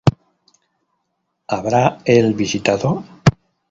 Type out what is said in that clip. ¿Habrá él visitado?